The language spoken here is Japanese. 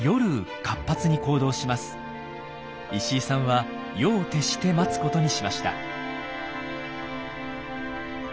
石井さんは夜を徹して待つことにしました。